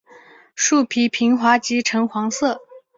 树皮平滑及呈黄色。